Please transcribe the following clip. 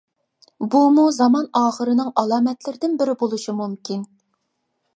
بۇمۇ زامان ئاخىرىنىڭ ئالامەتلىرىدىن بىرى بولۇشى مۇمكىن.